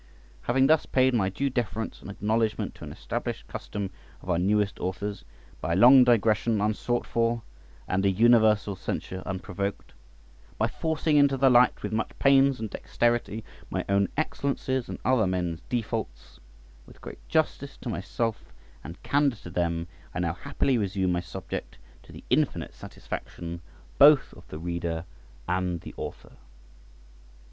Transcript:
Having thus paid my due deference and acknowledgment to an established custom of our newest authors, by a long digression unsought for and a universal censure unprovoked, by forcing into the light, with much pains and dexterity, my own excellences and other men's defaults, with great justice to myself and candour to them, I now happily resume my subject, to the infinite satisfaction both of the reader and the author.